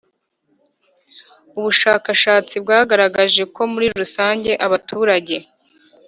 Ubushakashatsi bwagaragaje ko muri rusange abaturage